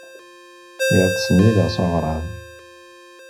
Lliɣ ttsennideɣ s aɣrab.